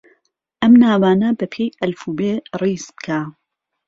ئەم ناوانە بەپێی ئەلفوبێ ڕیز بکە.